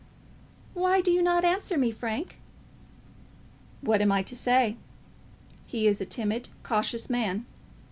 "Why do you not answer me, Frank?" "What am I to say? He is a timid, cautious man.